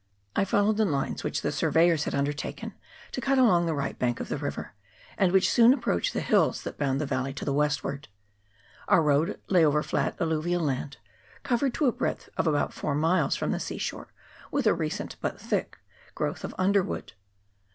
I followed the lines which the surveyors had 74 ERITONGA VALLEY. [PART I. undertaken to cut along the right bank of the river, and which soon approach the hills that bound the valley to the westward. Our road lay over flat alluvial land, covered to a breadth of about four miles from the sea shore with a recent but thick growth of underwood.